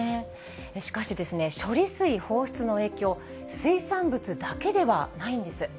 しかしですね、処理水放出の影響、水産物だけではないんです。